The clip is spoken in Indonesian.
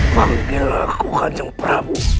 pampil aku kanjeng prabu